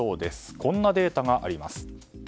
こんなデータがあります。